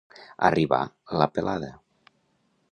Arribar la Pelada.